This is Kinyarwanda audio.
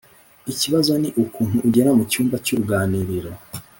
ikibazo ni ukuntu ugera mu cyumba cy'uruganiriro